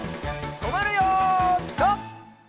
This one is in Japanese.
とまるよピタ！